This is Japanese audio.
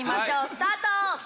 スタート！